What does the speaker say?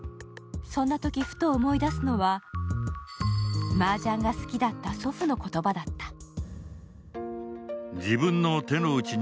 そんなとき、ふと思い出すのは、マージャンが好きだった祖父の言葉だった。